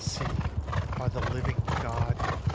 See, by the living God!